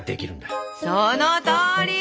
そのとおり！